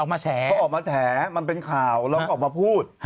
เขาออกมาแฉมันเป็นข่าวแล้วก็ออกมาพูด